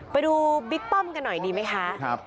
บิ๊กป้อมกันหน่อยดีไหมคะ